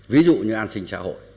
ví dụ như an sinh xã hội